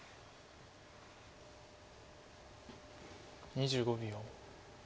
２５秒。